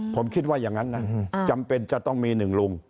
ผมคิดว่าอย่างนั้นนะจำเป็นจะต้องมีหนึ่งลุง